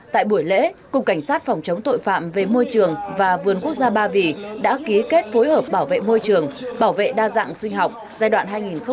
tại buổi lễ cục cảnh sát phòng chống tội phạm về môi trường và vườn quốc gia ba vì đã ký kết phối hợp bảo vệ môi trường bảo vệ đa dạng sinh học giai đoạn hai nghìn một mươi sáu hai nghìn hai mươi